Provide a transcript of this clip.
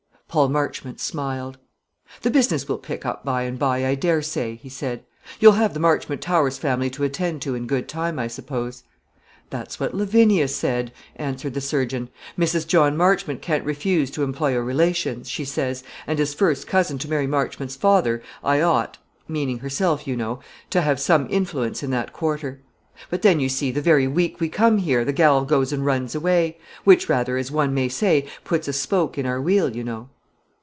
Paul Marchmont smiled. "The business will pick up by and by, I daresay," he said. "You'll have the Marchmont Towers family to attend to in good time, I suppose." "That's what Lavinia said," answered the surgeon. "'Mrs. John Marchmont can't refuse to employ a relation,' she says; 'and, as first cousin to Mary Marchmont's father, I ought' meaning herself, you know 'to have some influence in that quarter.' But then, you see, the very week we come here the gal goes and runs away; which rather, as one may say, puts a spoke in our wheel, you know."